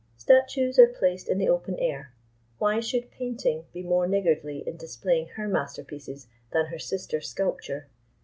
Statues are placed in the open air, why should Painting be more niggardly in displaying her masterpieces than her sister Sculpture?